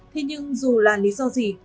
thế nhưng dù là lý do gì